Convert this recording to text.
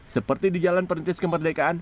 seperti di jalan perintis kemerdekaan